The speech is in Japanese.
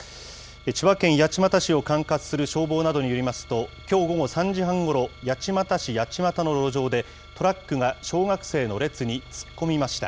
千葉県八街市を管轄する消防などによりますと、きょう午後３時半ごろ、八街市八街の路上で、トラックが小学生の列に突っ込みました。